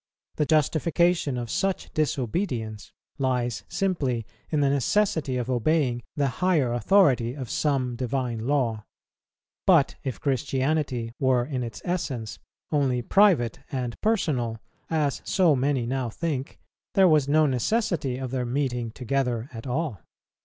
The justification of such disobedience lies simply in the necessity of obeying the higher authority of some divine law; but if Christianity were in its essence only private and personal, as so many now think, there was no necessity of their meeting together at all.